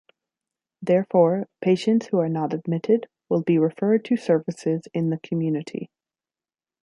Therefore, patients who are not admitted will be referred to services in the community.